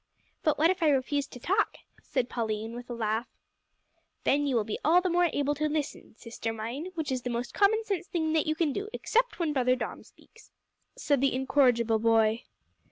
"But what if I refuse to talk?" said Pauline, with a laugh. "Then will you be all the more able to listen, sister mine, which is the most common sense thing that you can do, except when brother Dom speaks," said the incorrigible boy.